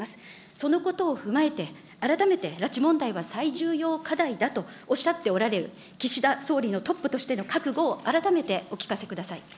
そのことを踏まえて、改めて拉致問題は最重要課題だとおっしゃっておられる、岸田総理のトップとしての覚悟を、改めてお聞かせください。